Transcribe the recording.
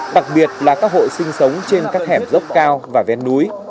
đặc biệt là các hộ sinh sống trên các hẻm dốc cao và ven núi